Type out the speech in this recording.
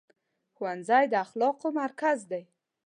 ښوونځی د اخلاقو مرکز دی.